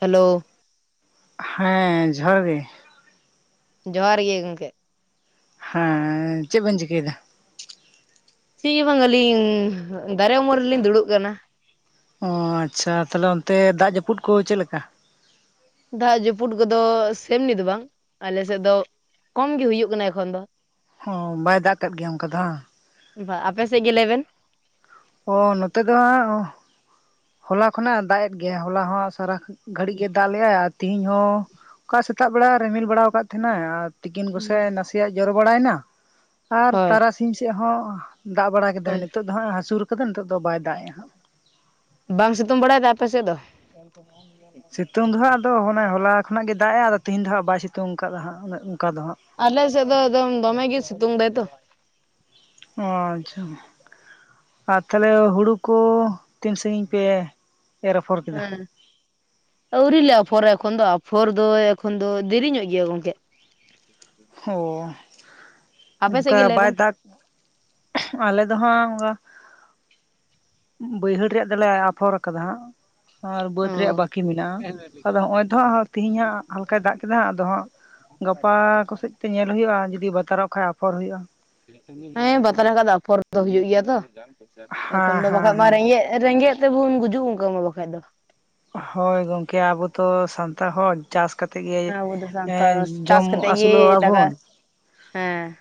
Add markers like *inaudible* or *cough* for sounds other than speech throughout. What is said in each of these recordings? Hello ᱦᱮᱸ ᱡᱚᱦᱟᱨ ᱜᱮ ᱡᱚᱦᱟᱨ ᱜᱮ ᱜᱚᱢᱠᱮ ᱦᱮᱸ ᱪᱮᱫ ᱵᱮᱱ ᱪᱤᱠᱟᱹᱭᱟ ᱪᱤᱫᱜᱮ ᱵᱟᱝ ᱟᱹᱞᱤᱧ ᱫᱟᱨᱮ ᱩᱢᱩᱞ ᱨᱮᱞᱤᱧ ᱫᱩᱲᱩᱵ ᱠᱟᱱᱟ ᱚ ᱟᱪᱷᱟ ᱛᱟᱦᱞᱮ ᱚᱱᱛᱮ ᱫᱟᱜ ᱡᱟᱹᱯᱩᱫ ᱠᱚ ᱪᱮᱫ ᱞᱮᱠᱟ ᱫᱟᱜ ᱡᱟᱹᱯᱩᱫ ᱠᱚᱫᱚ ᱥᱮᱢᱱᱤ ᱫᱚ ᱵᱟᱝ ᱟᱞᱮᱥᱮᱫ ᱫᱚ ᱠᱚᱢ ᱜᱮ ᱦᱩᱭᱩᱜ ᱠᱟᱱᱟ ᱮᱠᱷᱚᱱ ᱫᱚ ᱚ ᱵᱟᱭ ᱫᱟᱜ ᱠᱮᱫ ᱜᱮᱭᱟ ᱚᱱᱠᱟ ᱫᱚ ᱟᱯᱮ ᱥᱮᱫ ᱜᱮ ᱞᱟᱹᱭ ᱵᱤᱱ ᱚ ᱱᱚᱛᱮ ᱫᱚ ᱦᱚᱞᱟ ᱠᱷᱚᱱᱟᱜ ᱫᱟᱜ ᱜᱮᱭᱟ ᱦᱚᱞᱟ ᱦᱚᱸ ᱥᱟᱨᱟ ᱜᱷᱟᱹᱲᱤᱡ ᱜᱮ ᱮ ᱫᱟᱜ ᱞᱮᱫᱟᱭ ᱟᱨ ᱛᱮᱦᱮᱧ ᱦᱚᱸ ᱚᱠᱟ ᱥᱮᱛᱟᱜ ᱵᱮᱲᱟ ᱨᱤᱢᱤᱞ ᱵᱟᱲᱟ ᱟᱠᱟᱫ ᱛᱟᱦᱮᱱᱟᱭ ᱟᱨ ᱛᱤᱠᱤᱱ ᱠᱚᱥᱮ ᱱᱟᱥᱮᱱᱟᱜ ᱡᱚᱨᱚ ᱵᱟᱲᱟᱭᱮᱱᱟ ᱟᱨ ᱦᱳᱭ ᱛᱟᱨᱟᱥᱤᱧ ᱥᱮᱫ ᱦᱚᱸ ᱫᱟᱜ ᱵᱟᱲᱟ ᱠᱮᱫᱟᱭ ᱦᱳᱭ ᱱᱤᱛᱚᱜ ᱫᱚ ᱦᱜ ᱦᱟᱹᱥᱩᱨ ᱠᱟᱜ ᱟᱭ ᱱᱤᱛᱚᱜ ᱫᱚ ᱵᱟᱭ ᱫᱟᱜ ᱮᱼᱟ ᱦᱟᱜ ᱵᱟᱝ ᱥᱤᱛᱩᱝ ᱵᱟᱲᱟᱭᱮᱫᱟ ᱟᱯᱮ ᱥᱮᱫ ᱫᱚ ᱥᱤᱛᱩᱝ ᱫᱚ ᱦᱟᱸᱜ ᱟᱫᱚ ᱚᱱᱮ ᱦᱚᱞᱟ ᱠᱷᱚᱱᱟᱜ ᱜᱮ ᱫᱟᱜ ᱮᱼᱟ ᱟᱫᱚ ᱛᱮᱦᱮᱧ ᱫᱚ ᱦᱟᱸᱜ ᱵᱟᱭ ᱥᱤᱛᱩᱝ ᱟᱠᱟᱫᱟ ᱦᱟᱸᱜ ᱩᱱᱟᱹᱜ ᱟᱞᱮ ᱥᱮᱫᱚ ᱫᱚᱢᱮ ᱜᱮ ᱥᱤᱛᱩᱢ ᱫᱟᱭ ᱛᱚ ᱚ ᱟᱪᱪᱷᱟ ᱟᱨ ᱛᱟᱦᱚᱞᱮ ᱦᱩᱲᱩ ᱠᱚ ᱛᱤᱱ ᱥᱟᱺᱜᱤᱧ ᱯᱮ ᱮᱨ ᱟᱯᱷᱚᱨ ᱠᱮᱫᱟ ᱦᱮᱸ ᱟᱹᱣᱨᱤ ᱞᱮ ᱟᱯᱷᱚᱨᱟ ᱮᱠᱷᱚᱱ ᱫᱚ ᱟᱯᱷᱳᱨ ᱫᱚ ᱮᱠᱷᱚᱱ ᱫᱚ ᱫᱮᱨᱤ ᱧᱚᱜ ᱜᱮᱭᱟ ᱜᱚᱢᱠᱮ ᱚ ᱟᱯᱮ ᱥᱮᱫ ᱚᱱᱠᱟ ᱜᱮ ᱞᱟᱹᱭ ᱵᱟᱭ ᱵᱮᱱ ᱫᱟᱜ ᱟᱞᱮ ᱫᱚ ᱦᱟᱸᱜ ᱚᱱᱠᱟ ᱵᱟᱹᱭᱦᱟᱹᱲ ᱨᱮᱭᱟᱜ ᱫᱚᱞᱮ ᱟᱯᱷᱚᱨ ᱟᱠᱟᱫᱟ ᱦᱟᱸᱜ ᱟᱨ ᱵᱟᱹᱫ ᱚ ᱨᱮᱭᱟᱜ ᱵᱟᱹᱠᱤ ᱢᱮᱱᱟᱜᱼᱟ ᱟᱫᱚ ᱱᱚᱜ-ᱚᱭ ᱛᱟᱸ ᱛᱮᱦᱤᱧ ᱦᱟᱸᱜ ᱦᱟᱞᱠᱟᱭ ᱫᱟᱜ ᱠᱮᱫᱟ ᱟᱫᱚ ᱦᱟᱸᱜ ᱜᱟᱯᱟ ᱠᱚᱥᱮᱫᱛᱮ ᱧᱮᱞ ᱦᱩᱭᱩᱜᱼᱟ ᱡᱚᱫᱤ ᱵᱟᱛᱟᱨᱚᱜ ᱠᱷᱟᱱ ᱟᱯᱷᱚᱨ ᱦᱩᱭᱩᱜᱼᱟ ᱦᱮᱸ ᱵᱟᱛᱟᱨᱚᱜ ᱠᱷᱟᱡ ᱟᱯᱷᱚᱨ ᱫᱚ ᱦᱩᱭᱩᱜ ᱜᱮᱭᱟ ᱮᱠᱷᱚᱱ ᱦᱮᱸ ᱫᱚ ᱦᱮᱸ ᱵᱟᱠᱷᱟᱡ ᱢᱟ ᱦᱮᱸ ᱨᱮᱸᱜᱮᱡ ᱨᱮᱸᱜᱮᱡ ᱛᱮᱵᱚᱱ ᱜᱩᱡᱩᱜ ᱚᱱᱠᱟᱹ ᱢᱟ ᱵᱟᱠᱷᱟᱡ ᱫᱚ ᱦᱳᱭ ᱜᱚᱝᱠᱮ ᱟᱵᱚ ᱛᱚ ᱥᱟᱱᱛᱟᱲ ᱦᱚᱲ ᱪᱟᱥ ᱠᱟᱛᱮᱜ ᱜᱮ ᱦᱮᱸ ᱟᱵᱚ ᱫᱚ ᱥᱟᱱᱛᱟᱲ ᱡᱚᱢ ᱪᱟᱥ ᱠᱟᱛᱮᱜ ᱟᱹᱥᱩᱞᱚᱜ ᱜᱮ ᱟᱵᱚᱱ ᱫᱟᱠᱟ ᱦᱮᱸ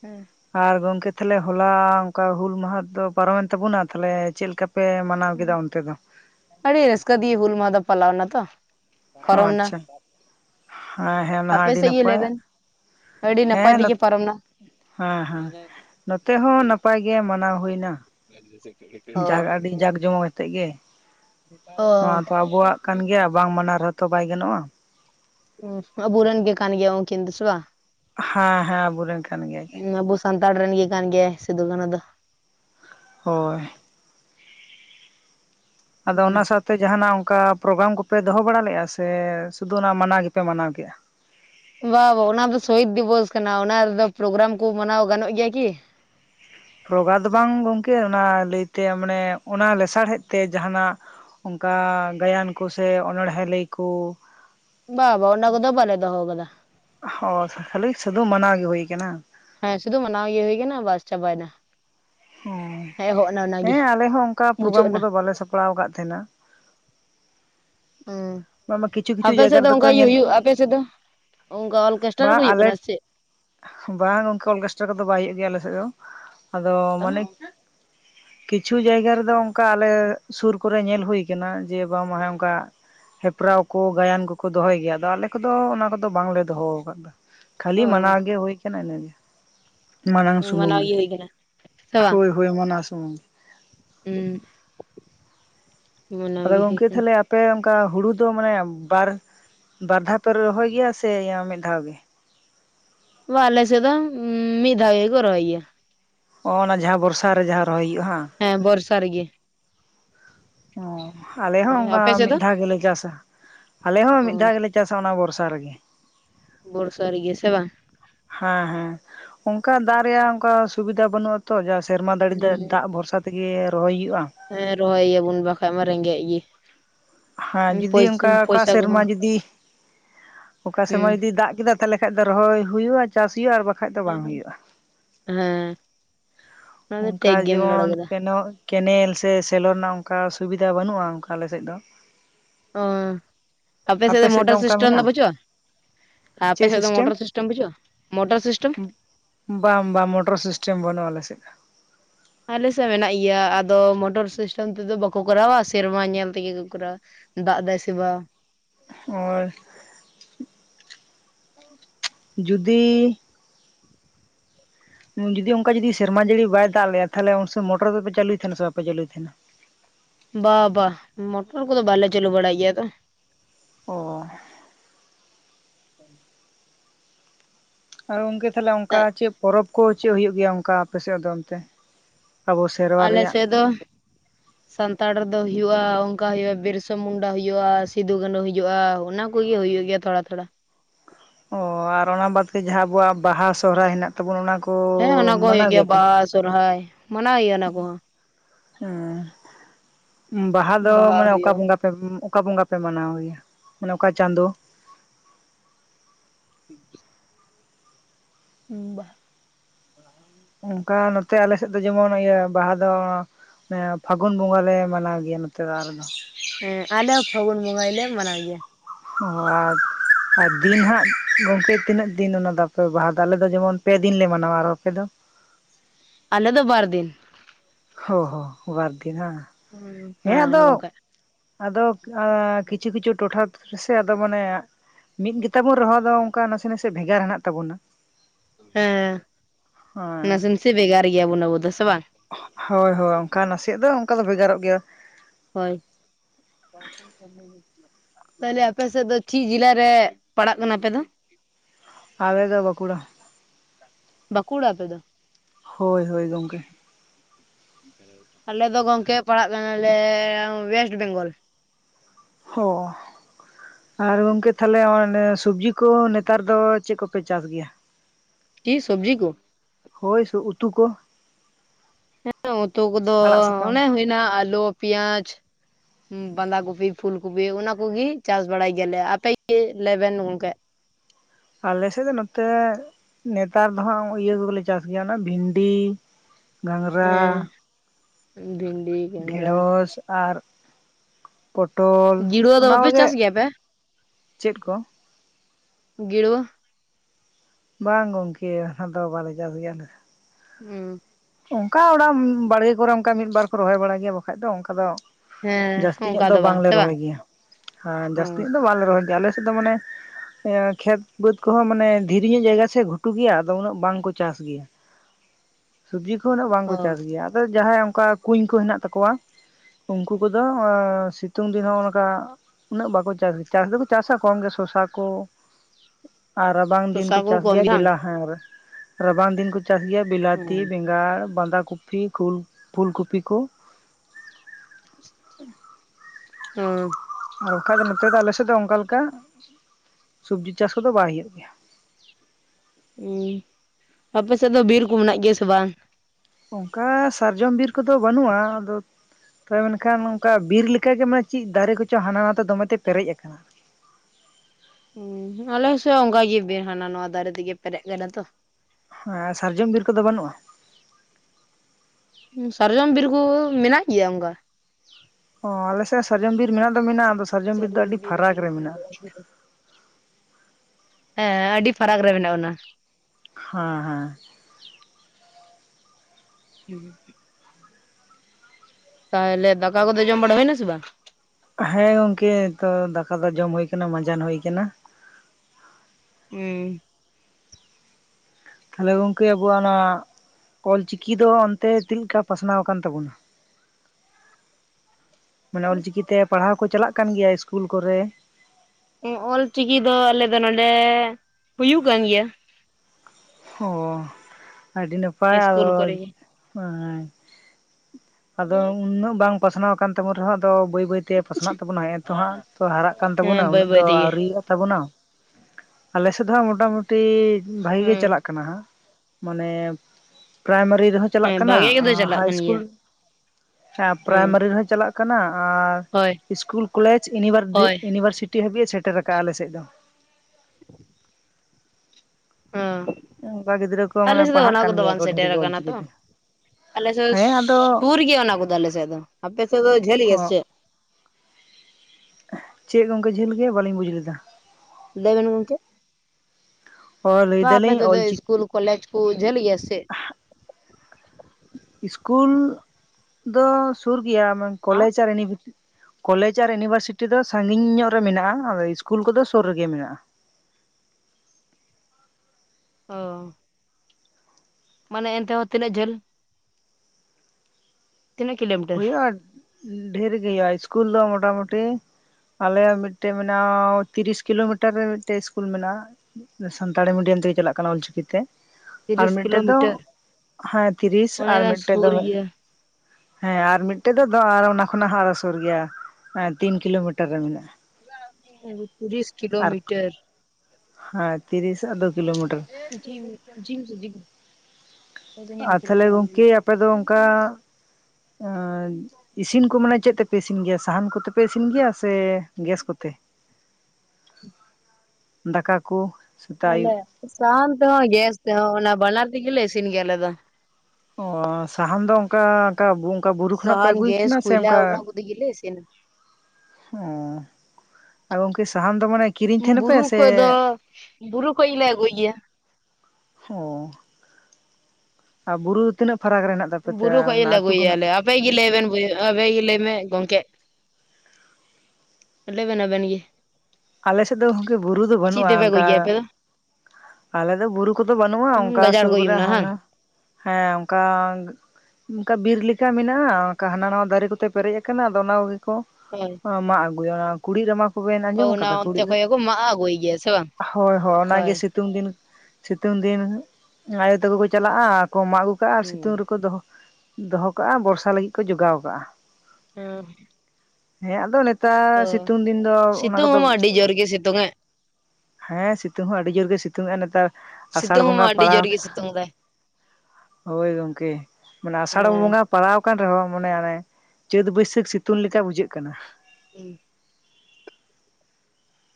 ᱦᱮᱸ ᱟᱨ ᱜᱚᱝᱠᱮ ᱛᱟᱦᱞᱮ ᱦᱚᱞᱟ ᱚᱱᱠᱟ ᱦᱩᱞ ᱢᱟᱦᱟ ᱫᱚ ᱯᱟᱨᱚᱢᱮᱱ ᱛᱟᱵᱚᱱᱟ ᱛᱟᱦᱞᱮ ᱪᱮᱫ ᱞᱮᱠᱟ ᱯᱮ ᱢᱟᱱᱟᱣ ᱦ ᱠᱮᱫᱟ ᱚᱱᱛᱮ ᱫᱚ? ᱟᱹᱰᱤ ᱨᱟᱹᱥᱠᱟᱹ ᱫᱤᱭᱮ ᱦᱩᱞ ᱢᱟᱦᱟ ᱫᱚ ᱯᱟᱞᱟᱣ ᱮᱱᱟ ᱛᱚ ᱚ ᱯᱟᱨᱚᱢ ᱱᱟ ᱟᱪᱪᱷᱟ ᱦᱮᱸ ᱦᱮᱸ ᱚᱱᱟᱦᱚᱜ ᱟᱹᱰᱤ ᱱᱟᱯᱟᱭ ᱟᱹᱰᱤ ᱱᱟᱯᱟᱭ ᱦᱮᱸ ᱛᱮᱜᱮ ᱯᱟᱨᱚᱢᱱᱟ ᱦᱮᱸ ᱦᱮᱸ ᱱᱚᱛᱮ ᱦᱚᱸ ᱱᱟᱯᱟᱭᱜᱮ ᱢᱟᱱᱟᱣ ᱦᱩᱭ ᱮᱱᱟ ᱚ ᱜᱮ ᱱᱚᱣᱟ ᱚ ᱫᱚ ᱟᱵᱚᱣᱟᱜ ᱠᱟᱱ ᱜᱮᱭᱟ ᱵᱟᱝ ᱢᱟᱱᱟᱣ ᱨᱮᱦᱚ ᱛᱚ ᱵᱟᱭ ᱜᱟᱱᱚᱜᱼᱟ ᱩᱦᱸ ᱵᱩᱩᱨᱮᱱ ᱜᱮ ᱠᱷᱟᱱ ᱜᱮᱭᱟ ᱩᱱᱠᱤᱱ ᱫᱚ ᱥᱮ ᱦᱮᱸ ᱦᱮᱸ ᱟᱵᱚᱨᱮᱱ ᱠᱟᱱ ᱜᱮᱭᱟᱭ ᱵᱟᱝᱜᱟ ᱟᱵᱚ ᱥᱟᱱᱛᱟᱲ ᱨᱮᱱ ᱜᱮ ᱠᱟᱱ ᱜᱮᱭᱟᱭ ᱥᱤᱫᱩ ᱠᱟᱹᱱᱦᱩ ᱫᱚ ᱦᱳᱭ ᱟᱫᱚ ᱦᱩᱸ ᱚᱱᱟ ᱥᱟᱶᱛᱮ ᱡᱟᱦᱱᱟᱜ ᱚᱱ ᱚᱱᱠᱟ ᱯᱨᱳᱜᱨᱟᱢ ᱠᱚᱯᱮ ᱫᱚᱦᱚ ᱵᱟᱲᱟ ᱞᱮᱫᱼᱟ ᱥᱮ ᱥᱩᱫᱷᱩ ᱚᱱᱟ ᱢᱟᱱᱟᱣ ᱜᱮᱯᱮ ᱢᱟᱱᱟᱣ ᱠᱮᱫᱼᱟ ᱵᱟ ᱵᱟ ᱚᱱᱟ ᱫᱚ ᱥᱚᱦᱤᱛ ᱫᱤᱵᱚᱥ ᱠᱟᱱᱟ ᱚᱱᱟ ᱨᱮᱫᱚ ᱯᱨᱳᱜᱨᱟᱢ ᱠᱚ ᱢᱟᱱᱟᱣ ᱜᱟᱱᱚᱜ ᱜᱮᱭᱟ ᱠᱤ *inaudible* ᱨᱚᱜᱟ ᱫᱚ ᱵᱟᱝ ᱜᱚᱢᱠᱮ ᱚᱱᱟ ᱞᱟᱹᱭᱛᱮ ᱢᱟᱱᱮ ᱚᱱᱟ ᱞᱮᱥᱟᱲᱦᱮᱫ ᱛᱮ ᱡᱟᱦᱟᱱᱟᱜ ᱚᱱᱠᱟ ᱜᱟᱭᱟᱱ ᱠᱚᱥᱮ ᱚᱱᱚᱬᱦᱮ ᱞᱟᱹᱭ ᱠᱚ ᱵᱟ ᱵᱟ ᱚᱱᱟ ᱠᱚᱫᱚ ᱵᱟᱞᱮ ᱫᱚᱦᱚ ᱠᱟᱫᱟ ᱚ ᱠᱷᱟᱹᱞᱤ ᱥᱩᱫᱷᱩ ᱢᱟᱱᱟᱣ ᱜᱮ ᱦᱩᱭ ᱟᱠᱟᱱᱟ ᱦᱮᱸ ᱥᱩᱫᱩ ᱢᱟᱱᱟᱣ ᱤᱭᱟᱹ ᱦᱩᱭ ᱠᱟᱱᱟ ᱵᱟᱥ ᱪᱟᱵᱟᱭᱮᱱᱟ ᱚ ᱦᱮᱸ ᱟᱞᱮ ᱦᱚᱸ ᱚᱱᱠᱟ ᱢᱩᱪᱟᱹᱫ ᱯᱨᱳᱜᱨᱟᱢ ᱮᱱᱟ ᱠᱚᱫᱚ ᱵᱟᱞᱮ ᱥᱟᱯᱲᱟᱣ ᱟᱠᱟᱫ ᱛᱟᱦᱮᱸᱱᱟ ᱦᱮᱸ ᱚᱱᱟᱢᱟ ᱠᱤᱪᱷᱩ ᱠᱤᱪᱷᱩ ᱟᱯᱮ ᱡᱟᱭᱜᱟ ᱥᱮᱫ ᱫᱚ ᱨᱮᱫᱚ ᱚᱱᱠᱟ ᱛᱚᱵᱮ ᱤᱭᱟᱹ ᱧᱮᱞᱚᱜ ᱦᱩᱭᱩᱜ ᱟᱯᱮ ᱥᱮᱫ ᱫᱚ ᱚᱱᱠᱟ ᱚᱨᱠᱮᱥᱴᱟᱨ ᱠᱚ ᱵᱟᱝ ᱦᱩᱭᱩᱜ ᱟᱞᱮ ᱠᱟᱱᱟ ᱥᱮ ᱵᱟᱝ ᱜᱚᱝᱠᱮ ᱚᱞᱠᱮᱥᱴᱨᱟ ᱠᱚᱫᱚ ᱵᱟᱭ ᱦᱩᱭᱩᱜ ᱜᱮᱭᱟ ᱟᱞᱮ ᱫᱚ ᱟᱫᱚ ᱪᱮᱫ ᱢᱟᱱᱮ ᱠᱤᱪᱷᱩ ᱡᱟᱭᱜᱟ ᱨᱮᱫᱚ ᱚᱱᱠᱟ ᱟᱞᱮ ᱥᱩᱨ ᱠᱚᱨᱮ ᱧᱮᱞ ᱦᱩᱭ ᱟᱠᱟᱱᱟ ᱡᱮ ᱵᱟᱝᱢᱟ ᱦᱮᱸ ᱚᱱᱠᱟ ᱡᱮᱯᱨᱟᱣ ᱠᱚ ᱜᱟᱭᱟᱱ ᱠᱚᱠᱚ ᱫᱚᱦᱚᱭ ᱜᱮᱭᱟ ᱟᱫᱚ ᱟᱞᱮ ᱠᱚᱫᱚ ᱚᱱᱟ ᱠᱚᱫᱚ ᱵᱟᱝᱞᱮ ᱫᱚᱦᱚᱣ ᱟᱠᱟᱫᱟ ᱠᱷᱟᱹᱞᱤ ᱢᱟᱱᱟᱣ ᱜᱮ ᱦᱩᱭ ᱠᱟᱱᱟ ᱤᱱᱟᱹᱜᱮ ᱢᱟᱨᱟᱝ ᱚ ᱥᱩᱢᱩᱝ ᱢᱟᱱᱟᱣ ᱜᱮ ᱦᱩᱭ ᱠᱟᱱᱟ ᱦᱳᱭ ᱦᱳᱭ ᱢᱟᱱᱟᱣ ᱥᱩᱢᱩᱝ ᱜᱮ ᱦᱮᱸ ᱟᱫᱚ ᱜᱚᱝᱠᱮ ᱛᱟᱦᱞᱮ ᱟᱯᱮ ᱚᱱᱠᱟ ᱦᱩᱲᱩ ᱫᱚ ᱢᱟᱱᱮ ᱵᱟᱨ ᱵᱟᱨ ᱫᱷᱟᱣ ᱯᱮ ᱨᱚᱦᱚᱭ ᱜᱮᱭᱟ ᱥᱮ ᱢᱤᱫ ᱫᱷᱟᱣ ᱜᱮ ᱵᱟ ᱟᱞᱮ ᱥᱮᱫ ᱫᱚ ᱢᱤᱫ ᱫᱷᱟᱣ ᱜᱮᱠᱚ ᱨᱚᱦᱚᱭ ᱜᱮᱭᱟ ᱚ ᱚᱱᱟ ᱡᱟᱦᱟᱸ ᱵᱚᱨᱥᱟ ᱨᱮ ᱡᱟᱦᱟᱸ ᱨᱚᱦᱚᱭ ᱦᱩᱭᱩᱜ ᱵᱟᱝ ᱟᱨ ᱜᱮ ᱚ ᱟᱞᱮ ᱦᱚᱸ ᱚᱱᱠᱟ ᱟᱯᱮ ᱥᱮᱫ ᱢᱤᱫ ᱫᱚ ᱫᱷᱟᱣ ᱜᱮᱞᱮ ᱪᱟᱥᱟ ᱟᱞᱮ ᱦᱚᱸ ᱚ ᱢᱤᱫ ᱫᱷᱟᱣ ᱜᱮᱞᱮ ᱪᱟᱥᱟ ᱚᱱᱟ ᱵᱚᱨᱥᱟ ᱨᱮᱜᱮ ᱵᱚᱨᱥᱟ ᱨᱮᱜ ᱥᱮ ᱵᱟᱝ ᱦᱮᱸ ᱦᱮᱸ ᱚᱱᱠᱟ ᱫᱟᱜ ᱨᱮᱭᱟᱜ ᱚᱱᱠᱟ ᱥᱩᱵᱤᱫᱷᱟ ᱵᱟᱹᱱᱩᱜ ᱟᱛᱚ ᱡᱟᱥ ᱥᱮᱨᱢᱟ ᱫᱟᱲᱮ ᱫᱟ ᱫᱟᱜ ᱵᱷᱚᱨᱥᱟ ᱛᱮᱜᱮ ᱨᱚᱦᱚᱭ ᱦᱩᱭᱩᱜᱼᱟ ᱦᱮᱸ ᱨᱚᱦᱚᱭ ᱟᱵᱚᱱ ᱵᱟᱝᱠᱷᱟᱱ ᱢᱟ ᱨᱮᱸᱜᱮᱡ ᱜᱮ ᱦᱮᱸ ᱡᱩᱫᱤ ᱯᱚᱭᱥᱟ ᱚᱱᱠᱟ ᱚᱠᱟ ᱯᱚᱭᱥᱟ ᱥᱮᱨᱢᱟ ᱠᱚᱦᱚᱸ ᱡᱩᱫᱤ ᱚᱠᱟ ᱦᱩᱸ ᱥᱮᱨᱢᱟ ᱡᱩᱫᱤ ᱫᱟᱜ ᱠᱮᱫᱟ ᱛᱟᱦᱚᱞᱮ ᱠᱷᱟᱱ ᱫᱚ ᱨᱚᱦᱚᱭ ᱦᱩᱭᱩᱜᱼᱟ ᱪᱟᱥ ᱦᱩᱭᱩᱜᱼᱟ ᱟᱨ ᱵᱟᱝᱠᱷ ᱵᱟᱠᱷᱟᱡ ᱫᱚ ᱵᱟᱝ ᱦᱮᱸ ᱦᱩᱭᱩᱜᱼᱟ ᱚᱱᱟ ᱫᱚ ᱚᱱᱠᱟ ᱴᱷᱤᱠ ᱜᱮᱢ ᱨᱚᱲ ᱡᱮᱢᱚᱱ ᱠᱟᱫᱟ ᱛᱮᱱᱚᱜ ᱠᱮᱱᱮᱞ ᱥᱮ ᱥᱮᱞᱚ ᱨᱮᱱᱟᱜ ᱚᱱᱠᱟ ᱥᱩᱵᱤᱫᱷᱟ ᱵᱟᱹᱱᱩᱜᱼᱟ ᱚᱱᱠᱟ ᱟᱞᱮᱥᱮᱫ ᱫᱚ ᱚ ᱟᱯᱮ ᱥᱮᱫ ᱫᱚ ᱢᱚᱴᱚᱨ ᱥᱤᱥᱴᱮᱢ ᱫᱚ ᱵᱟᱹᱪᱩᱜᱼᱟ ᱟᱨ ᱟᱯᱮ ᱥᱮᱫ ᱫᱚ ᱢᱚᱴᱚᱨ ᱥᱤᱥᱴᱮᱢ ᱵᱩᱡᱷᱟᱹᱼᱟ ᱢᱚᱴᱚᱨ ᱥᱤᱥᱴᱮᱢ ᱵᱟᱝ ᱵᱟᱝ ᱢᱳᱴᱚᱨ ᱥᱤᱥᱴᱮᱢ ᱵᱟᱹᱱᱩᱜ -ᱟ ᱟᱞᱮ ᱥᱮ ᱫᱚ ᱟᱞᱮ ᱥᱮᱫ ᱢᱮᱱᱟᱜ ᱜᱮᱭᱟ ᱟᱫᱚ ᱢᱚᱴᱚᱨ ᱥᱤᱥᱴᱮᱢ ᱛᱮᱫᱚ ᱵᱟᱠᱚ ᱠᱚᱨᱟᱣᱟ ᱥᱮᱨᱢᱟ ᱧᱮᱞ ᱛᱮᱜᱮ ᱠᱚ ᱠᱚᱨᱟᱣᱟ ᱫᱟᱜ ᱮ ᱫᱟᱭ ᱥᱮ ᱵᱟᱝ ᱦᱳᱭ ᱡᱩᱫᱤ ᱡᱩᱫᱤ ᱚᱱᱠᱟ ᱡᱚᱫᱫ ᱥᱮᱨᱢᱟ ᱡᱟᱹᱲᱤ ᱵᱟᱭ ᱫᱟᱜ ᱞᱮᱭᱟ ᱛᱟᱦᱮᱞᱮ ᱩᱱᱥᱚᱭ ᱢᱚᱴᱚᱨ ᱫᱚᱯᱮ ᱪᱟᱹᱞᱩᱭ ᱛᱟᱦᱮᱦᱱᱟ ᱥᱮ ᱵᱟᱯᱮ ᱪᱟᱹᱞᱩᱭ ᱛᱟᱦᱮᱸᱦᱱᱟ *inaudible* ᱵᱟ ᱵᱟ ᱢᱴᱚᱨ ᱠᱚᱫᱚ ᱵᱟᱞᱮ ᱪᱟᱞᱩ ᱵᱟᱲᱟᱭ ᱜᱮᱭᱟᱢᱭ ᱛᱚ ᱚ *inaudible* ᱟᱨ ᱜᱚᱢᱠᱮ ᱛᱟᱦᱞᱮ ᱚᱱᱠᱟ ᱪᱮᱫ ᱯᱚᱨᱚᱵᱽ ᱠᱚ ᱪᱮᱫ ᱦᱩᱭᱩᱜ ᱜᱮᱭᱟ ᱚᱱᱠᱟ ᱟᱯᱮ ᱥᱮᱫ ᱫᱚ ᱚᱱᱛᱮ ᱟᱵᱚ ᱥᱮᱨᱣᱟ ᱟᱞᱮ ᱨᱮᱭᱟᱜ ᱥᱮᱫ ᱫᱚ ᱥᱟᱱᱛᱟᱲ ᱫᱚ ᱦᱩᱭᱩᱜᱼᱟ ᱚᱱᱠᱟ ᱦᱩᱭᱩᱜᱼᱟ ᱵᱤᱨᱥᱟ ᱢᱩᱱᱰᱟ ᱦᱩᱭᱩᱜᱼᱟ ᱥᱤᱫᱩ ᱠᱟᱹᱟᱹᱱᱦᱩ ᱦᱩᱭᱩᱜᱼᱟ ᱚᱱᱟ ᱠᱚᱜᱮ ᱦᱩᱭᱩᱜ ᱜᱮᱭᱟ ᱛᱷᱚᱲᱟ ᱛᱷᱚᱲᱟ ᱚ ᱟᱨ ᱚᱱᱟ ᱵᱟᱫ ᱠᱟᱛᱮ ᱡᱟᱦᱟᱸ ᱟᱵᱚᱣᱟᱜ ᱵᱟᱦᱟ ᱥᱚᱨᱦᱟᱭ ᱦᱮᱱᱟᱜ ᱛᱟᱵᱚᱱᱟ ᱚᱱᱟ ᱠᱚ ᱦᱮᱸ ᱚᱱᱟ ᱠᱚ ᱦᱚᱸ ᱦᱩᱭᱩᱜ ᱢᱟᱱᱟᱣ ᱜᱮᱭᱟ ᱜᱮᱭᱟᱯᱮ? ᱵᱟᱦᱟ ᱥᱚᱨᱦᱟᱹᱭ ᱢᱟᱱᱟᱣ ᱮᱭᱟ ᱚᱱᱟ ᱠᱚᱦᱚᱸ ᱦᱮᱸ ᱵᱟᱦᱟ ᱫᱚ ᱢᱟᱱᱮ ᱚᱠᱟ ᱵᱚᱸᱜᱟ ᱯᱮ ᱚᱠᱟ ᱵᱚᱸᱜᱟ ᱯᱮ ᱢᱟᱱᱟᱣ ᱭᱟ ᱢᱟᱱᱮ ᱚᱠᱟ ᱪᱟᱸᱫᱚᱳ *inaudible* *unintelligible* ᱚᱱᱠᱟ ᱱᱚᱛᱮ ᱟᱞᱮᱮᱥᱮᱫ ᱫᱚ ᱡᱮᱢᱚᱱ ᱤᱭᱟᱹ ᱵᱟᱦᱟ ᱫᱚ ᱯᱷᱟᱹᱜᱩᱱ ᱵᱚᱸᱜᱟ ᱞᱮᱮ ᱢᱟᱱᱟᱣ ᱜᱮᱭᱟ ᱱᱚᱛᱮ ᱫᱚ ᱟᱞᱮ ᱫᱚ ᱦᱮᱸ ᱟᱞᱮ ᱦᱚᱸ ᱯᱷᱟᱹᱜᱩᱱ ᱵᱚᱸᱜᱟ ᱜᱮᱞᱮ ᱢᱟᱱᱟᱣ ᱜᱮᱭᱟ ᱟᱨ ᱟᱨ ᱫᱤᱱ ᱦᱟᱸᱜ ᱜᱚᱝᱠᱮ ᱛᱤᱱᱟᱹᱜ ᱫᱤᱱ ᱚᱱᱟ ᱫᱚ ᱵᱟᱦᱟ ᱫᱚ ᱟᱞᱮ ᱫᱚ ᱡᱮᱢᱚᱱ ᱯᱮ ᱫᱤᱱ ᱞᱮ ᱢᱟᱱᱟᱣᱟ ᱟᱨ ᱟᱯᱮ ᱫᱚ *inaudible* ᱟᱞᱮ ᱫᱚ ᱵᱟᱨ ᱫᱤᱱ ᱚ ᱦᱚᱸ ᱵᱟᱨ ᱫᱤᱱ ᱵᱟ ᱦᱮᱸ ᱟᱫᱚ ᱟᱫᱚ ᱠᱤᱪᱷᱩ ᱠᱤᱪᱷᱩ ᱴᱚᱴᱷᱟ ᱥᱮ ᱟᱫᱚ ᱢᱟᱱᱮ ᱢᱤᱫ ᱜᱮᱛᱟᱵᱚᱱ ᱨᱮᱦᱚ ᱟᱫᱚ ᱚᱱᱠᱟ ᱱᱟᱥᱮ ᱱᱟᱥᱮ ᱵᱷᱮᱜᱟᱨ ᱦᱮᱱᱟᱜ ᱛᱟᱵᱚᱱᱟ ᱦᱮᱸ ᱦᱮᱸ ᱱᱟᱥᱮ ᱱᱟᱥᱮ ᱵᱷᱮᱜᱟᱨ ᱜᱮᱭᱟᱵᱚ ᱟᱵᱚᱫᱚ ᱦᱳᱭ ᱦᱳᱭ ᱚᱱᱠᱟ ᱱᱟᱥᱮᱭᱟᱜ ᱫᱚ ᱚᱱᱠᱟ ᱫᱚ ᱵᱷᱮᱜᱟᱨᱚᱜ ᱜᱮᱭᱟ ᱦᱳᱭ ᱛᱟᱦᱞᱮ ᱟᱯᱮ ᱥᱮᱫ ᱫᱚ ᱪᱮᱫ ᱡᱮᱞᱟᱨᱮ ᱯᱟᱲᱟᱜ ᱠᱟᱱᱟ ᱟᱯᱮ ᱫᱚ ᱟᱞᱮ ᱫᱚ ᱵᱟᱸᱠᱩᱲᱟ ᱵᱟᱸᱠᱩᱲᱟ ᱟᱯᱮ ᱫᱚ ᱦᱳᱭ ᱦᱳᱭ ᱜᱚᱢᱠᱮ ᱟᱞᱮ ᱫᱚ ᱜᱚᱢᱠᱮ ᱯᱟᱲᱦᱟᱜ ᱠᱟᱱᱟᱞᱮ ᱳᱭᱮᱥᱴ ᱵᱮᱝᱜᱚᱞ ᱦᱚ ᱟᱨ ᱜᱚᱢᱠᱮ ᱛᱟᱦᱞᱮ ᱚᱱᱮ ᱥᱚᱵᱡᱤ ᱠᱚ ᱱᱮᱛᱟᱨ ᱫᱚ ᱪᱮᱫ ᱠᱚᱯᱮ ᱪᱟᱥ ᱜᱮᱭᱟ ᱠᱤ ᱥᱚᱵᱡᱤ ᱠᱚ ᱦᱳᱭ ᱥᱚ ᱩᱛᱩ ᱠᱚ ᱦᱮᱸ ᱩᱛᱩ ᱠᱚᱫᱚ ᱟᱲᱟᱜ ᱚᱱᱮ ᱥᱟᱠᱟᱢ ᱦᱩᱭᱱᱟ ᱟᱹᱞᱩ ᱯᱮᱸᱭᱟᱡᱽ ᱵᱟᱸᱫᱷᱟ ᱠᱚᱯᱤ ᱯᱷᱩᱞ ᱠᱚᱯᱤ ᱚᱱᱟ ᱠᱚᱜᱤ ᱪᱟᱥ ᱵᱟᱲᱟᱭ ᱜᱮᱭᱟᱞᱮ ᱟᱯᱮ ᱜᱮ ᱞᱮᱵᱮᱱ ᱜᱚᱝᱠᱮ ᱟᱞᱮ ᱥᱮᱫ ᱫᱚ ᱱᱚᱛᱮ ᱱᱮᱛᱟᱨ ᱫᱚ ᱦᱟᱸᱜ ᱤᱭᱟᱹ ᱠᱚᱜᱮᱞᱮ ᱪᱟᱥ ᱜᱮᱭᱟ ᱵᱷᱤᱱᱰᱤ ᱜᱷᱟᱝᱜᱽᱨᱟ ᱦᱮᱸ ᱵᱷᱤᱱᱰᱤ ᱜᱷᱟᱸᱜᱽᱨᱟ ᱰᱷᱮᱸᱲᱚᱥ ᱟᱨ ᱯᱚᱴᱚᱞ ᱜᱤᱲᱣᱟᱹ ᱫᱚ ᱚᱱᱟ ᱵᱟᱯᱮ ᱠᱚᱜᱮ ᱪᱟᱥ ᱜᱮᱭᱟ ᱯᱮ ᱪᱮᱫ ᱠᱚ ᱜᱤᱲᱩᱣᱟ. ᱵᱟᱝ ᱜᱚᱢᱠᱮ ᱟᱫᱚ ᱵᱟᱞᱮ ᱪᱟᱥ ᱜᱮᱭᱟᱞᱮ ᱩᱸ ᱚᱱᱠᱟ ᱚᱲᱟᱜ ᱵᱟᱲᱜᱮ ᱠᱚᱨᱮ ᱚᱱᱠᱟ ᱢᱤᱫ ᱵᱟᱨ ᱠᱚ ᱨᱚᱦᱚᱭ ᱵᱟᱲᱟᱭ ᱜᱮᱭᱟ ᱵᱟᱠᱷᱟᱡ ᱫᱚ ᱚᱱᱠᱟ ᱫᱚ ᱦᱮᱸ ᱡᱟᱹᱥᱛᱤ ᱚᱱᱠᱟ ᱧᱚᱜ ᱫᱚ ᱵᱟᱝ ᱵᱟᱝᱞᱮ ᱥᱮ ᱵᱟᱝ ᱨᱚᱦᱚᱭ ᱜᱮᱭᱟ ᱚ ᱡᱟᱹᱥᱛᱤ ᱧᱚᱜ ᱫᱚ ᱵᱟᱝᱞᱮ ᱨᱚᱦᱚᱭ ᱜᱮᱭᱟ ᱟᱞᱮ ᱥᱮᱫ ᱫᱚ ᱢᱟᱱᱮ ᱠᱷᱮᱛ ᱵᱟᱹᱫᱽ ᱠᱚᱦᱚᱸ ᱢᱟᱱᱮ ᱫᱷᱤᱨᱤ ᱧᱚᱜ ᱡᱟᱭᱜᱟ ᱥᱮ ᱜᱷᱩᱴᱩ ᱜᱮᱭᱟ ᱟᱫᱚ ᱩᱱᱟᱹᱜ ᱵᱟᱝᱠᱚ ᱪᱟᱥ ᱜᱮᱭᱟ ᱥᱚᱵᱡᱤ ᱠᱚ ᱩᱱᱟᱹᱜ ᱵᱟᱝᱠᱚ ᱚ ᱪᱟᱥ ᱜᱮᱭᱟ ᱟᱫᱚ ᱡᱟᱦᱟᱸᱭ ᱚᱱᱠᱟ ᱠᱩᱧ ᱠᱚ ᱦᱮᱱᱟᱜ ᱛᱟᱠᱚᱣᱟ ᱩᱱᱠᱩ ᱠᱚᱫᱚ ᱮ ᱥᱤᱛᱩᱝ ᱫᱤᱱᱦᱚ ᱚᱱᱠᱟ ᱩᱱᱟᱹᱜ ᱵᱟᱠᱚ ᱪᱟᱥ ᱪᱟᱥ ᱫᱚ ᱠᱚ ᱪᱟᱥᱼᱟ ᱠᱚᱢ ᱜᱮ ᱥᱚᱥᱟ ᱠᱚ ᱟᱨ ᱨᱟᱵᱟᱝ ᱫᱤᱱ ᱥᱚᱥᱟ ᱠᱚ ᱪᱟᱥ ᱠᱚᱢ ᱜᱮᱭᱟ ᱜᱮ ᱵᱟᱝ ᱵᱮᱞᱟ ᱦᱟᱨ ᱨᱟᱵᱟᱝ ᱫᱤᱱ ᱠᱚ ᱪᱟᱥ ᱜᱮᱭᱟ ᱚ ᱛᱤ ᱵᱮᱸᱜᱟᱲ ᱟᱸᱫᱟ ᱠᱚᱯᱤ ᱠᱩᱞ ᱯᱷᱩᱞ ᱠᱚᱯᱤ ᱠᱚ ᱳ ᱟᱨ ᱵᱟᱠᱷᱟᱡ ᱫᱚ ᱱᱚᱛᱮ ᱫᱚ ᱟᱞᱮ ᱥᱮᱫ ᱫᱚ ᱚᱱᱠᱟ ᱞᱮᱠᱟ ᱥᱚᱵᱡᱤ ᱪᱟᱥ ᱠᱚᱫᱚ ᱵᱟᱭ ᱦᱩᱭᱩᱜ ᱜᱮᱭᱟ ᱩᱸ ᱟᱯᱮ ᱥᱮᱫ ᱫᱚ ᱵᱤᱨ ᱠᱚ ᱢᱮᱱᱟᱜ ᱜᱮᱭᱟ ᱥᱮ ᱵᱟᱝ ᱚᱱᱠᱟ ᱥᱟᱨᱡᱚᱢ ᱵᱤᱨ ᱠᱚᱫᱚ ᱵᱟᱹᱱᱩᱜᱼᱟ ᱟᱫᱚ ᱛᱚᱵᱮ ᱢᱮᱱᱠᱷᱟᱱ ᱚᱱᱠᱟ ᱵᱤᱨ ᱞᱮᱠᱟᱜᱮ ᱢᱟᱱᱮ ᱪᱮᱫ ᱫᱟᱨᱮ ᱠᱚᱪᱚᱝ ᱦᱟᱱᱟ ᱱᱟᱣᱟ ᱫᱚᱢᱮᱛᱮ ᱯᱮᱨᱮᱡ ᱟᱠᱟᱱᱟ *inaudible* ᱩᱸ ᱟᱞᱮ ᱥᱮᱫ ᱦᱚᱸ ᱚᱱᱠᱟ ᱜᱮ ᱵᱮ ᱦᱟᱱᱟ ᱱᱚᱣᱟ ᱫᱟᱨᱮ ᱛᱮᱜᱮ ᱯᱮᱨᱮᱡ ᱟᱠᱟᱱᱟ ᱛᱚ ᱦᱮᱸ ᱥᱟᱨᱡᱚᱢ ᱵᱤᱨ ᱠᱚᱫᱚ ᱵᱟᱹᱱᱩᱜᱼᱟ ᱥᱟᱨᱡᱚᱢ ᱵᱤᱨ ᱠᱚ ᱢᱮᱱᱟᱜ ᱜᱮᱭᱟ ᱚᱱᱠᱟ ᱚ ᱟᱞᱮ ᱥᱮᱫ ᱥᱟᱨᱡᱚᱢ ᱵᱤᱨ ᱢᱮᱱᱟᱜ ᱫᱚ ᱢᱮᱱᱟᱜᱼᱟ ᱟᱫᱚ ᱥᱟᱨᱡᱚᱢ ᱵᱤᱨ ᱫᱚ ᱟᱹᱰᱤ ᱯᱷᱟᱨᱟᱠ ᱨᱮ ᱢᱮᱱᱟᱜᱼᱟ *unintelligible* ᱦᱮᱸ ᱟᱹᱰᱤ ᱯᱷᱟᱨᱟᱠ ᱨᱮ ᱢᱮᱱᱟᱜ ᱚᱱᱟ ᱦᱮᱸ ᱦᱮᱸ ᱦᱮᱸ ᱛᱟᱦᱚᱞᱮ ᱫᱟᱠᱟ ᱠᱚᱫᱚ ᱡᱚᱢ ᱵᱟᱲᱟ ᱦᱩᱭᱱᱟ ᱥᱮ ᱵᱟᱝ ᱦᱮᱸ ᱜᱚᱝᱠᱮ ᱛᱚ ᱫᱟᱠᱟ ᱫᱚ ᱡᱚᱢ ᱦᱩᱭ ᱠᱟᱱᱟ ᱢᱟᱸᱡᱟᱱ ᱦᱩᱭ ᱠᱟᱱᱟ ᱩᱸ ᱛᱟᱦᱚᱞᱮ ᱜᱚᱢᱠᱮ ᱟᱵᱚᱣᱟᱜ ᱚᱱᱟ ᱚᱞᱪᱤᱠᱤ ᱫᱚ ᱚᱱᱛᱮ ᱪᱮᱫ ᱞᱮᱠᱟ ᱯᱟᱥᱱᱟᱣ ᱟᱠᱟᱱ ᱛᱟᱵᱳᱱᱟ ᱢᱟᱱᱮ ᱚᱞᱪᱤᱠᱤᱛᱮ ᱯᱟᱲᱦᱟᱣ ᱠᱚ ᱪᱟᱞᱟᱜ ᱠᱟᱱ ᱜᱮᱭᱟ ᱤᱥᱠᱩᱞ ᱠᱚᱨᱮ ᱚᱞᱪᱤᱠᱤ ᱫᱚ ᱟᱞᱮ ᱫᱚ ᱱᱚᱰᱮ ᱦᱩᱭᱩᱜ ᱠᱟᱱ ᱜᱮᱭᱟ ᱚ ᱟᱹᱰᱤ ᱱᱟᱯᱟᱭ ᱟᱫᱚ ᱤᱥᱠᱩᱞ ᱠᱚᱨᱮ ᱦᱮ ᱜᱮ ᱟᱫᱚ ᱩᱱᱟᱹᱜ ᱵᱟᱝ ᱯᱟᱥᱱᱟᱣ ᱟᱠᱟᱱ ᱛᱟᱵᱚᱱ ᱨᱮᱦᱚᱸ ᱟᱫᱚ ᱵᱟᱹᱭ ᱵᱟᱹᱭᱛᱮ ᱯᱟᱥᱱᱟᱜ ᱛᱟᱵᱚᱱᱟ ᱮᱱᱛᱚ ᱦᱟᱸ ᱛᱚ ᱦᱟᱨᱟᱜ ᱠᱟᱱ ᱛᱟᱵᱚᱱᱟ ᱦᱮᱸ ᱵᱟᱹᱭ ᱩᱱᱟᱹᱜ ᱵᱟᱹᱭ ᱫᱚ ᱛᱮᱜᱮ ᱟᱣᱨᱤᱭᱟᱜ ᱛᱟᱵᱚᱱᱟ ᱟᱞᱮᱥᱮᱫ ᱫᱚ ᱦᱟᱸᱜ ᱢᱚᱴᱟᱢᱩᱴᱤ ᱵᱷᱟᱜᱮ ᱜᱮ ᱦᱮᱸ ᱪᱟᱞᱟᱜ ᱠᱟᱱᱟ ᱦᱟᱸᱜ ᱢᱟᱱᱮ ᱯᱨᱟᱭᱢᱟᱨᱤ ᱮ ᱨᱮᱦᱚᱸ ᱪᱟᱞᱟᱜ ᱦᱮᱸ ᱠᱟᱱᱟ ᱵᱷᱟᱜᱮ ᱜᱮᱫᱚ ᱪᱟᱞᱟᱜ ᱦᱟᱭ ᱠᱟᱱ ᱤᱥᱠᱩᱞ ᱜᱮᱭᱟ ᱦᱮᱸ ᱯᱨᱟᱭᱢᱟᱨᱤ ᱨᱮᱦᱚᱸ ᱪᱟᱞᱟᱜ ᱠᱟᱱᱟ ᱦᱳᱭ ᱟᱨ ᱥᱠᱩᱞ ᱠᱚᱞᱮᱡᱽ ᱤᱱᱤᱵᱷᱟᱨ ᱦᱳᱭ ᱤᱭᱩᱱᱤᱵᱷᱟᱨᱥᱤᱴᱤ ᱦᱟᱹᱵᱤᱡᱮ ᱥᱮᱴᱮᱨ ᱠᱟᱜᱼᱟ ᱟᱞᱮ ᱥᱮᱫ ᱫᱚ ᱦᱚᱸ ᱚᱱᱠᱟ ᱜᱤᱫᱽᱨᱟᱹ ᱠᱚ ᱟᱞᱮ ᱢᱟᱱᱮ ᱥᱮᱫ ᱯᱟᱲᱦᱟᱜ ᱚᱱᱟ ᱠᱟᱱ ᱠᱚᱫᱚ ᱜᱮᱭᱟ ᱵᱟᱝ ᱠᱚ ᱰᱷᱮᱨ ᱥᱮᱴᱮᱨ ᱜᱮ ᱠᱟᱱᱟ ᱚᱞᱪᱤᱠᱤ ᱛᱚ ᱛᱮ ᱟᱞᱮ ᱥᱮ ᱦᱮᱸ ᱟᱫᱚ ᱥᱩᱨ ᱜᱮᱭᱟ ᱚᱱᱟᱠᱚᱫᱚ ᱟᱞᱮ ᱥᱮᱡ ᱫᱚ ᱟᱯᱮ ᱥᱮᱡ ᱫᱚ ᱡᱷᱟᱹᱞ ᱜᱮᱭᱟ ᱥᱮ ᱦᱚᱸ ᱪᱮᱫ ᱪᱮᱫ ᱜᱚᱝᱠᱮ ᱡᱷᱟᱹᱞ ᱜᱮᱭᱟ ᱵᱟᱞᱤᱧ ᱵᱩᱡ ᱞᱮᱫᱟ ᱞᱟᱹᱭᱵᱮᱱ ᱜᱚᱝᱠᱮ ᱚ ᱞᱟᱹᱭ ᱵᱟ ᱟᱯᱮ ᱫᱟᱞᱤᱧ ᱛᱮᱫᱚ ᱚᱞᱪᱤᱠᱤ ᱤᱥᱠᱩᱞ ᱠᱚᱞᱡᱽ ᱠᱚ ᱡᱷᱟᱹᱞ ᱜᱤᱭᱟᱹ ᱥᱮ ᱪᱮᱫ ᱤᱥᱠᱩᱞ ᱫᱚ ᱥᱩᱨᱜᱮᱭᱟ ᱠᱚᱞᱮᱡᱽ ᱪᱮᱫ? ᱟᱨ ᱤᱱᱤᱵᱷᱤ ᱠᱚᱞᱮᱡᱽ ᱟᱨ ᱤᱱᱤᱵᱷᱟᱨᱥᱤᱴᱤ ᱫᱚ ᱥᱟᱺᱟᱹᱜᱤᱧ ᱧᱚᱜ ᱨᱮ ᱢᱮᱱᱟᱜᱼᱟ ᱤᱥᱠᱩᱞ ᱠᱚᱫᱚ ᱥᱩᱨ ᱨᱮᱜᱮ ᱢᱮᱱᱟᱜᱼᱟ ᱚ ᱢᱟᱱᱮ ᱮᱱᱛᱮᱦᱚᱸ ᱛᱤᱱᱟᱹᱜ ᱡᱷᱟᱹᱞ ᱛᱤᱱᱟᱹ ᱠᱤᱞᱳᱢᱤᱴᱟᱨ ᱰᱷᱮᱨᱜᱮᱭᱼᱟ ᱥᱤᱥᱠᱩᱞ ᱫᱚ ᱢᱚᱴᱟᱢᱩᱴᱤ ᱟᱞᱮᱭᱟᱜ ᱢᱤᱫᱴᱮᱡ ᱢᱮᱱᱟᱜᱼᱟ ᱛᱤᱨᱤᱥ ᱠᱤᱞᱳᱢᱤᱴᱟᱨ ᱨᱮ ᱢᱤᱫᱴᱮᱡ ᱤᱥᱠᱩᱞ ᱢᱮᱱᱟᱜᱼᱟ ᱥᱟᱱᱛᱟᱲᱤ ᱢᱤᱰᱤᱭᱟᱢ ᱛᱮ ᱪᱟᱞᱟᱜ ᱠᱟᱱᱟ ᱚᱞ ᱪᱤᱠᱤ ᱛᱮ ᱟᱨ ᱛᱤᱨᱤᱥ ᱢᱤᱫᱴᱮᱱ ᱫᱚ ᱠᱤᱞᱳᱢᱤᱴᱟᱨ ᱦᱮᱸ ᱛᱤᱨᱤᱥ ᱚᱱᱮ ᱟᱨ ᱚᱱᱟ ᱢᱤᱫᱴᱮᱱ ᱫᱚ ᱥᱩᱨ ᱜᱮᱭᱟ ᱦᱮᱸ ᱟᱨ ᱢᱤᱫᱴᱮᱡ ᱫᱚ ᱚᱱᱟ ᱠᱷᱚᱱᱟᱜ ᱦᱚᱸ ᱟᱨᱚ ᱥᱩᱨ ᱜᱮᱭᱟ ᱛᱤᱱ ᱠᱤᱞᱳᱢᱤᱴᱟᱨ ᱨᱮ ᱢᱮᱱᱟᱜᱼᱟ ᱛᱤᱨᱤᱥ ᱟᱨ ᱠᱤᱞᱳᱢᱤᱴᱟᱨ ᱦᱮᱸ ᱛᱤᱨᱤᱥ ᱟᱨ ᱫᱩ ᱠᱤᱞᱳᱢᱤᱴᱟᱨ ᱡᱤᱢ ᱡᱤᱢ ᱡᱤᱡᱤᱢ ᱟᱨ ᱛᱟᱦᱚᱞᱮ ᱜᱚᱢᱠᱮ ᱟᱯᱮ ᱫᱚ ᱚᱱᱠᱟ ᱤᱥᱤᱱ ᱠᱚ ᱢᱟᱱᱮ ᱪᱮᱫ ᱛᱮᱯᱮ ᱤᱥᱤᱱ ᱜᱮᱭᱟ ᱥᱟᱦᱟᱱ ᱠᱚᱛᱮ ᱯᱮ ᱯᱮ ᱤᱥᱤᱱ ᱜᱮᱭᱟ ᱥᱮ ᱜᱮᱥ ᱠᱚᱛᱮ ᱫᱟᱠᱟ ᱠᱚ ᱥᱮᱛᱟᱜ ᱟᱹᱭᱩᱵ ᱟᱞᱮ ᱥᱟᱦᱟᱱ ᱛᱮᱦᱚᱸ ᱜᱮᱥ ᱛᱮᱦᱚᱸ ᱚᱱᱟ ᱵᱟᱱᱟᱨ ᱛᱮᱜᱮᱞᱮ ᱤᱥᱤᱱ ᱜᱮᱭᱟ ᱟᱞᱮ ᱫᱚ ᱚ ᱥᱟᱦᱟᱱ ᱫᱚ ᱚᱱᱠᱟ ᱚᱱᱠᱟ ᱚᱱᱠᱟ ᱵᱩᱨᱩ ᱠᱷᱚᱱᱟᱜ ᱯᱮ ᱥᱟᱦᱟᱱ ᱟᱹᱜᱩᱭᱮᱫ ᱜᱮᱥ ᱛᱟᱦᱮᱱᱟ ᱥᱮ ᱠᱚᱭᱞᱟ ᱚᱱᱠᱟ ᱚᱱᱟ ᱠᱚᱛᱮ ᱜᱮᱞᱮ ᱤᱥᱤᱱᱟ ᱚ ᱜᱚᱝᱠᱮ ᱥᱟᱦᱟᱱ ᱫᱚ ᱢᱟᱱᱮ ᱠᱤᱨᱤᱧ ᱛᱟᱦᱮᱱᱟ ᱯᱮ ᱵᱩᱨᱩ ᱥᱮ ᱠᱚᱡᱫᱚ ᱵᱩᱨᱩ ᱠᱚᱡᱞᱮ ᱟᱹᱜᱩᱭ ᱜᱮᱭᱟ ᱚ ᱟᱨ ᱵᱩᱨᱩ ᱛᱤᱱᱟᱹᱜ ᱯᱷᱟᱨᱟᱠ ᱨᱮ ᱦᱮᱱᱟᱜ ᱛᱟᱯᱮ ᱛᱮ ᱵᱩᱨᱩ ᱠᱷᱚᱱᱚᱡ ᱜᱮᱞᱮ ᱚᱱᱟ ᱟᱹᱛᱩ ᱠᱷᱚᱱᱟᱜ ᱟᱹᱜᱩᱭᱮᱭᱟᱞᱮ ᱟᱯᱮᱜ ᱜᱮ ᱞᱟᱹᱭ ᱵᱮᱱ ᱵᱚᱭ ᱟᱯᱮ ᱜᱮ ᱞᱟᱹᱭᱢᱮ ᱜᱚᱝᱠᱮ ᱞᱮᱭᱵᱮᱱ ᱵᱮᱱ ᱟᱵᱮᱱ ᱜᱤ ᱟᱞᱮ ᱥᱮᱫ ᱫᱚ ᱠᱤ ᱵᱩᱨᱩ ᱫᱚ ᱵᱟᱹᱱᱩᱜᱼᱟ ᱛᱮᱯᱮ ᱟᱹᱜᱩᱭ ᱚᱱᱠᱟ ᱜᱮᱭᱟ ᱟᱯᱮ ᱫᱚ? ᱟᱞᱮ ᱫᱚ ᱵᱩᱨᱩ ᱠᱚᱫᱚ ᱵᱟᱹᱱᱩᱜᱼᱟ ᱚᱱᱠᱟ ᱜᱟᱡᱟᱲ ᱥᱩᱨ ᱠᱚ ᱤᱭᱟᱹ ᱠᱚᱨᱮ ᱢᱮᱱᱟᱜᱼᱟ ᱵᱟᱝ? ᱦᱟᱱᱟ ᱦᱮᱸ ᱚᱱᱠᱟ ᱚᱱᱠᱟ ᱵᱤᱨ ᱞᱮᱠᱟ ᱢᱮᱱᱟᱜᱼᱟ ᱚᱱᱠᱟ ᱦᱟᱱᱟ ᱱᱟᱣᱟ ᱫᱟᱨᱮ ᱠᱚᱛᱮ ᱯᱮᱨᱮᱡ ᱠᱟᱱᱟ ᱟᱫᱚ ᱚᱱᱟ ᱠᱚᱜᱮ ᱠᱚ ᱦᱳᱭ ᱢᱟᱜ ᱟᱹᱜᱩᱭᱟ ᱠᱩᱲᱤᱜᱨᱟᱢᱟ ᱠᱚ ᱠᱚᱵᱮᱱ ᱦᱳ ᱟᱸᱡᱚᱢ ᱚᱱᱟ ᱠᱟᱫᱟ ᱚᱱᱛᱮ ᱠᱩᱲᱤᱫ ᱠᱷᱚᱡ ᱜᱮᱠᱚ ᱢᱟᱜ ᱟᱹᱜᱩᱭ ᱜᱮᱭᱟ ᱥᱮ ᱵᱟᱝ? ᱦᱳᱭ ᱦᱚ ᱚᱱᱟᱜ ᱦᱳᱭ᱾ ᱥᱤᱼᱼ ᱥᱤᱛᱩᱝ ᱫᱤᱱ ᱟᱭᱳ ᱛᱟᱠᱚ ᱠᱚ ᱪᱟᱞᱟᱜᱼᱟ ᱠᱚ ᱢᱟᱜ ᱟᱹᱜᱩ ᱠᱟᱜᱼᱟ ᱟᱨ ᱥᱤᱛᱩᱝ ᱦᱩᱸ ᱨᱮᱠᱚ ᱫᱚᱦᱚ ᱫᱚᱦᱚ ᱠᱟᱜᱼᱟ ᱵᱚᱨᱥᱟ ᱞᱟᱹᱜᱤᱫ ᱠᱚ ᱡᱚᱜᱟᱣ ᱠᱟᱜᱼᱟ ᱦᱮ ᱦᱮᱸ ᱟᱫᱚ ᱱᱮᱛᱟᱨ ᱥᱤᱛᱩᱝ ᱫᱤᱱ ᱫᱚ ᱚᱱᱟ ᱥᱤᱛᱩᱝ ᱠᱚᱫᱚ ᱦᱚᱸᱢᱟ ᱟᱹᱰᱤ ᱡᱳᱨ ᱜᱮ ᱥᱤᱛᱩᱝ ᱮᱫ ᱦᱮᱸ ᱥᱤᱛᱩᱝ ᱦᱚᱸ ᱟᱹᱰᱤ ᱡᱳᱨᱜ ᱥᱤᱛᱩᱝ ᱮᱼᱟ ᱱᱮᱛᱟᱨ ᱟᱥᱟᱲ ᱥᱤᱛᱩᱝ ᱦᱚᱸᱢᱟ ᱵᱚᱸᱜᱟ ᱟᱹᱰᱤ ᱯᱟᱲᱟᱣ ᱡᱳᱨ ᱜᱮ ᱥᱤᱛᱩᱝ ᱫᱟᱭ᱾ ᱦᱳᱭ ᱜᱚᱝᱠᱮ ᱢᱟᱱᱮ ᱟᱥᱟᱲ ᱦᱮᱸ᱾ ᱵᱚᱸᱜᱟ ᱯᱟᱲᱟᱣ ᱠᱟᱱ ᱨᱮᱦᱚᱸ ᱢᱚᱱᱮ ᱟᱱᱮ ᱪᱟᱹᱛ ᱵᱟᱹᱭᱥᱟᱹᱠᱷ ᱥᱤᱛᱩᱝ ᱞᱮᱠᱟ ᱵᱩᱡᱷᱟᱹᱜ ᱠᱟᱱᱟ ᱩᱸᱦ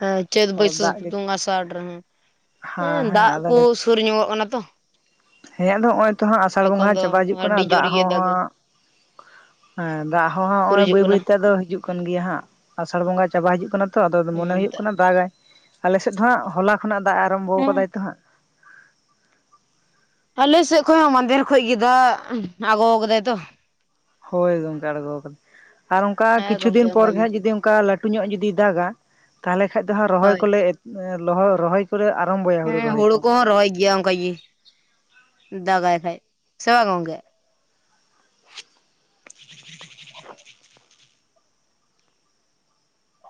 ᱦᱮᱸ ᱪᱟᱹᱛ ᱵᱟᱹᱭᱥᱟᱹᱠᱷ ᱫᱟᱜ ᱜᱮ ᱥᱤᱛᱩᱝ ᱟᱥᱟᱲ ᱨᱮᱦᱚ ᱦᱮᱸ ᱫᱟᱜ ᱠᱚ ᱥᱩᱨ ᱧᱚᱜᱚᱜ ᱠᱟᱱᱟ ᱛᱚ ᱦᱮᱸᱭᱟ ᱟᱫᱚ ᱱᱚᱜ ᱚᱚᱭ ᱛᱚᱦᱟᱜ ᱟᱥᱟᱲ ᱮᱠᱷᱚᱱ ᱵᱚᱸᱜᱟ ᱫᱚ ᱪᱟᱵᱟ ᱦᱤᱡᱩᱜ ᱠᱟᱱᱟ ᱟᱹᱰᱤ ᱡᱳᱨ ᱫᱟᱜ ᱜᱮ ᱦᱚᱸ ᱫᱟᱜᱟ ᱦᱟᱸᱜ ᱮ ᱫᱟᱜ ᱦᱚᱸ ᱥᱩᱨ ᱦᱚᱸᱜᱼᱚᱭ ᱦᱤᱡᱩᱜ ᱵᱟᱹᱭ ᱠᱟᱱᱟ ᱵᱟᱹᱭᱛᱮ ᱟᱫᱚ ᱦᱤᱡᱩᱜ ᱠᱟᱱ ᱜᱮᱭᱟ ᱦᱟᱸᱜ ᱟᱥᱟᱲ ᱵᱚᱸᱜᱟ ᱪᱟᱵᱟ ᱦᱤᱡᱩᱜ ᱠᱟᱱᱟ ᱛᱚ ᱟᱫᱚ ᱢᱚᱱᱮ ᱦᱩᱸ ᱦᱩᱭᱩᱜ ᱛᱚ ᱠᱟᱱᱟ ᱫᱟᱜᱟᱭ ᱟᱞᱮᱥᱮᱫ ᱫᱚᱦᱟᱸᱜ ᱦᱚᱞᱟ ᱠᱷᱚᱱᱟᱜ ᱫᱟᱜ ᱮ ᱟᱨᱟᱢᱵᱷᱚ ᱦᱮᱸ ᱟᱠᱟᱫᱟᱭ ᱛᱚ ᱦᱟᱸᱜ ᱟᱞᱮ ᱥᱮᱫ ᱠᱷᱚᱱ ᱦᱚᱸ ᱢᱟᱦᱫᱷᱮᱨ ᱠᱷᱚᱡ ᱜᱮ ᱫᱟᱜ ᱟᱜᱩ ᱠᱟᱫᱟᱭ ᱛᱚ ᱦᱳᱭ ᱜᱚᱢᱠᱮ ᱟᱬᱜᱚ ᱠᱟᱫᱟᱭ ᱟᱨ ᱚᱱᱠᱟ ᱦᱮᱸ ᱠᱤᱪᱷᱩ ᱜᱚᱝᱠᱮ ᱫᱤᱱ ᱯᱚᱨ ᱚᱱᱠᱟ ᱜᱮ ᱦᱟᱸᱜ ᱡᱩᱫᱤ ᱚᱱᱠᱟ ᱞᱟᱹᱴᱩ ᱧᱚᱜ ᱡᱩᱫᱤ ᱫᱟᱜᱟ ᱛᱟᱦᱚᱞᱮ ᱠᱷᱟᱡ ᱫᱚ ᱦᱟᱸᱜ ᱨᱚᱦᱚᱭ ᱦᱳᱭ ᱠᱚᱞᱮ ᱚᱦ ᱨᱚᱦᱚᱭ ᱠᱚᱞᱮ ᱟᱨᱟᱢᱵᱚᱭᱟ ᱦᱮᱸ ᱨᱚᱦᱚᱭ ᱦᱩᱲᱩ ᱠᱚ ᱠᱚᱦᱚᱸ ᱨᱚᱦᱚᱭ ᱜᱮᱭᱟ ᱚᱱᱠᱟᱜ ᱜᱮ ᱫᱟᱜᱟᱭ ᱠᱷᱟᱭ ᱥᱮ ᱵᱟᱝ ᱜᱚᱝᱠᱮ